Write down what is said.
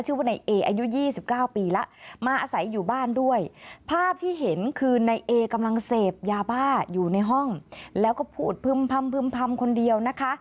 ชื่อว่านายเออายุ๒๙ปีแล้ว